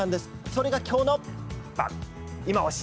それが今日のいまオシ！